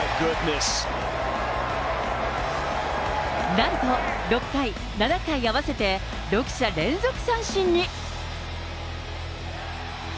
なんと、６回、７回合わせて６者連続三振に。